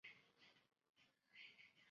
以甲钴胺为主要的研究对象。